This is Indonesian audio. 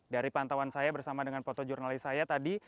dari pantauan saya bersama dengan foto jurnalis saya tadi